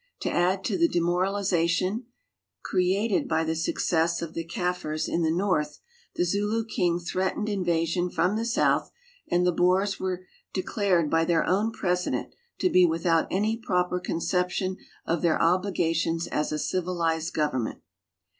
To add to the demoral ization created hv the success of the Kaffirs in the north the Zulu king threatened invasion from the south, and the Boers were declared l)y their own president to be without any proper ct)Uception of their obligations as a civilized government.